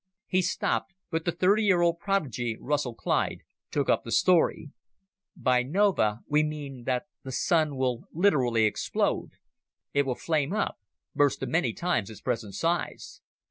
He stopped, but the thirty year old prodigy, Russell Clyde, took up the story. "By nova, we mean that the Sun will literally explode. It will flame up, burst to many times its present size.